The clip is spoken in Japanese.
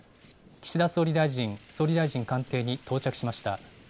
岸田総理大臣、総理大臣官邸に到着しました。